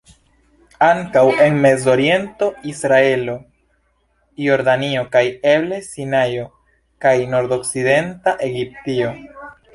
Ankaŭ en Mezoriento, Israelo, Jordanio kaj eble Sinajo kaj Nordokcidenta Egiptio.